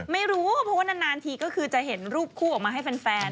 ไม่รู้เพราะว่านานทีก็คือจะเห็นรูปคู่ออกมาให้แฟน